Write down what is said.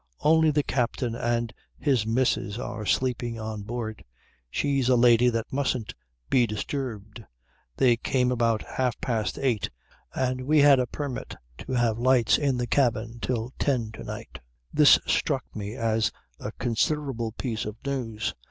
"Only the captain and his missus are sleeping on board. She's a lady that mustn't be disturbed. They came about half past eight, and we had a permit to have lights in the cabin till ten to night." "This struck me as a considerable piece of news.